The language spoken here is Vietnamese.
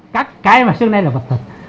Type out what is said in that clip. các cái mà xưa nay là vật thật